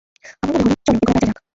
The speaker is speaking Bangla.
আমার মনে হলো, চলো এগুলা বেচা যাক।